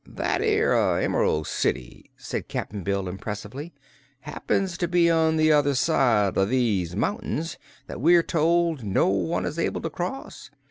"That 'ere Em'rald City," said Cap'n Bill impressively, "happens to be on the other side o' those mountains, that we're told no one is able to cross.